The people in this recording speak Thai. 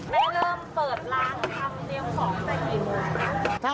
แม่เริ่มเปิดล้างลาตามเหนียวของจะกี่โมงครับ